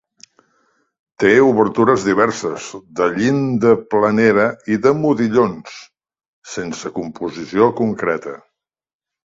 Té obertures diverses, de llinda planera i de modillons, sense composició concreta.